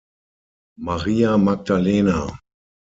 Maria Magdalena.